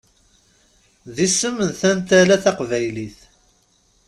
D isem n tantala taqbaylit.